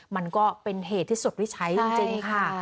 มันก็เป็นเหตุที่สุดวิชัยจริงค่ะ